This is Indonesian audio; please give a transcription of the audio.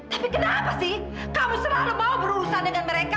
tapi kenapa sih kamu selalu mau berurusan dengan mereka